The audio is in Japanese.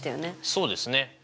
そうですね。